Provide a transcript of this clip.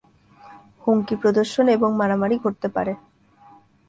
হুমকি প্রদর্শন এবং মারামারি ঘটতে পারে।